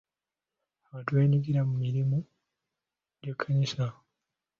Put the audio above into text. Abantu beenyigira mu mirimu gy'ekkanisa.